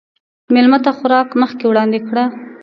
مېلمه ته خوراک مخکې وړاندې کړه.